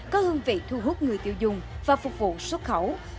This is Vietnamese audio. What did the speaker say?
có hương vị thu hút người tiêu dùng và phục vụ xuất khẩu